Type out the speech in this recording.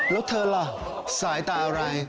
แล้วเธอล่ะสายตาอะไร